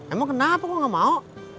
emang kenapa gue gak mau